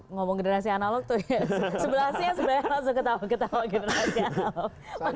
ngomong generasi analog tuh ya sebelah sini sebenarnya langsung ketawa ketawa generasi analog